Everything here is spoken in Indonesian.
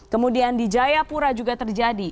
kemudian di jayapura juga terjadi